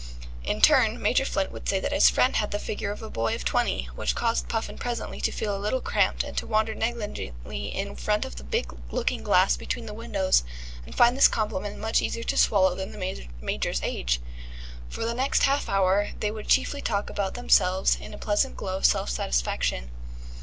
In turn, Major Flint would say that his friend had the figure of a boy of twenty, which caused Puffin presently to feel a little cramped and to wander negligently in front of the big looking glass between the windows, and find this compliment much easier to swallow than the Major's age. For the next half hour they would chiefly talk about themselves in a pleasant glow of self satisfaction.